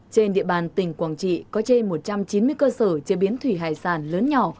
trên địa bàn tỉnh quảng trị có trên một trăm chín mươi cơ sở chế biến thủy hải sản lớn nhỏ